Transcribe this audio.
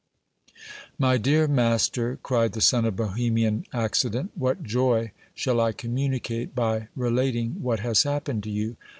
My dear master, cried the son of Bohemian accident, what joy shall I communicate by relating what has happened to you